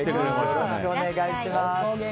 よろしくお願いします。